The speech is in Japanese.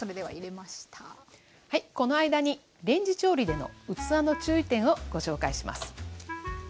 はいこの間にレンジ調理での器の注意点をご紹介します。